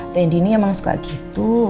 ren dini emang suka gitu